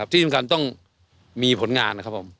ที่สำคัญต้องมีผลงาน